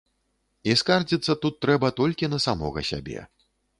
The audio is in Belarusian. І скардзіцца тут трэба толькі на самога сябе.